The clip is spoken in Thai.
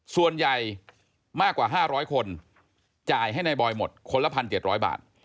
ส่วนใหญ่มากกว่า๕๐๐คนจ่ายให้นายบอยหมดคนละ๑๗๐๐บาท